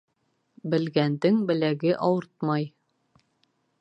Белгәндең беләге ауыртмай.